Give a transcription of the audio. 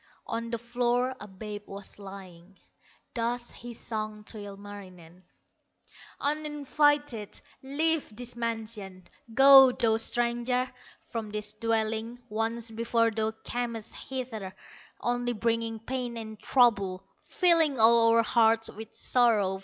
On the floor a babe was lying, Thus he sang to Ilmarinen: "Uninvited, leave this mansion, Go, thou stranger, from this dwelling; Once before thou camest hither, Only bringing pain and trouble, Filling all our hearts with sorrow.